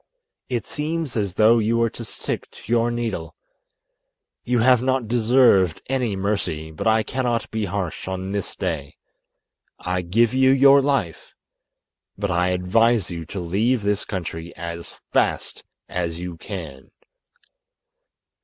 It seems as though you were to stick to your needle. You have not deserved any mercy, but I cannot be harsh on this day. I give you your life, but I advise you to leave this country as fast as you can."